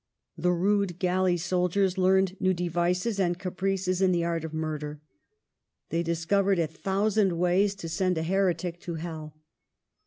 The rude galley soldiers learned new devices and caprices in the art of murder ; they discovered a thousand ways to send a heretic to hell.